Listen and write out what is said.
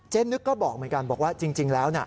นึกก็บอกเหมือนกันบอกว่าจริงแล้วน่ะ